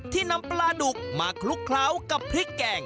นำปลาดุกมาคลุกเคล้ากับพริกแกง